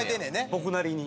僕なりに。